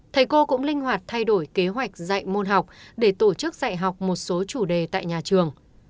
thầy cô cũng linh hoạt thay đổi kế hoạch dạy môn học để tổ chức dạy học một số chủ đề tại nhà trường